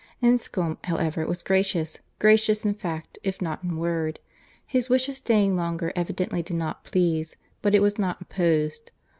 Enscombe however was gracious, gracious in fact, if not in word. His wish of staying longer evidently did not please; but it was not opposed.